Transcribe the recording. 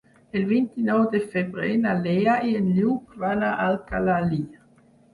El vint-i-nou de febrer na Lea i en Lluc van a Alcalalí.